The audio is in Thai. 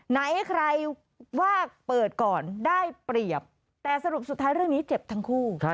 ไหนใครว่าเปิดก่อนได้เปรียบแต่สรุปสุดท้ายเรื่องนี้เจ็บทั้งคู่